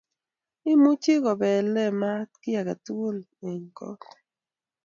imuchi kobele maaat kiy age tugul eng' koot